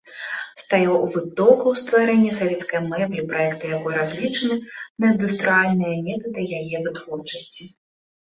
Стаяў у вытокаў стварэння савецкай мэблі, праекты якой разлічаны на індустрыяльныя метады яе вытворчасці.